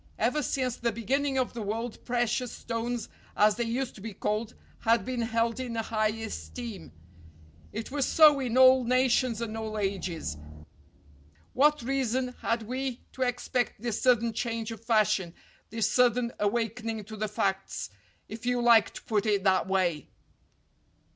Ever since the beginning of the world precious stones, as they used to be called, had been held in high esteem. It was so in all nations and all ages. What reason had we to expect this sudden change of fashion, this sudden awakening to the facts, if you like to put it that way?"